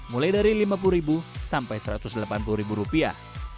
mulai dari lima puluh sampai satu ratus delapan puluh rupiah